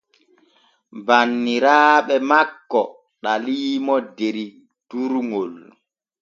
Banniraaɓe makko ɗaliimo der durŋol.